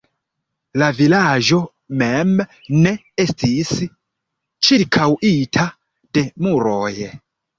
La vilaĝo mem ne estis ĉirkaŭita de muroj.